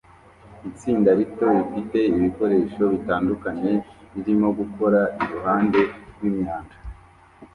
Itsinda rito rifite ibikoresho bitandukanye ririmo gukora iruhande rwimyanda